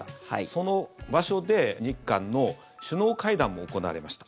その場所で日韓の首脳会談も行われました。